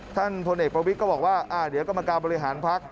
พลเอกประวิทย์ก็บอกว่าเดี๋ยวกรรมการบริหารพัก